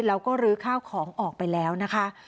แล้วก็ลื้อข้าวของออกไปแล้วนะคะ